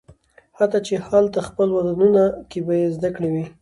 حتی چې هالته خپل وطنونو کې به یې زده کړې وي